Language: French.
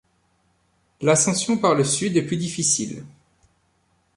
L'ascension par le sud est plus difficile.